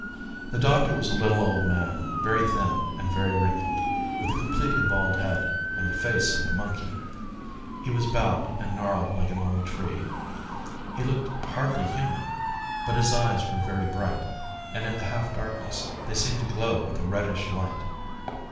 The doctor was a little, old man, very thin and very wrinkled, with a completely bald head, and the face of a monkey. He was bowed and gnarled like an old tree. He looked hardly human, but his eyes were very bright, and in the half darkness, they seemed to glow with a reddish light.